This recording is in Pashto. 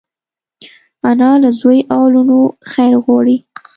انا له زوی او لوڼو خیر غواړي